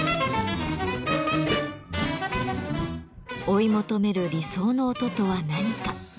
追い求める理想の音とは何か？